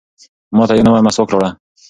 ماته یو نوی مسواک راوړه.